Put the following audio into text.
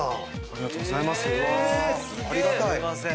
ありがとうございます。